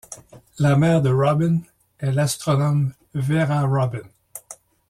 La mère de Rubin' est l'astronome Vera Rubin.